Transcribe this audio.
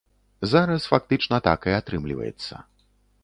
Зараз фактычна так і атрымліваецца.